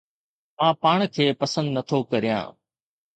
مان پاڻ کي پسند نٿو ڪريان